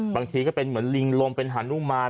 ก็เป็นเหมือนลิงลมเป็นฮานุมาน